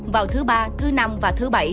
vào thứ ba thứ năm và thứ bảy